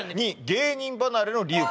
２芸人離れの理由